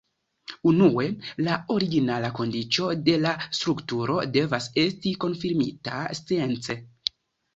Unue, la originala kondiĉo de la strukturo devas esti konfirmita science.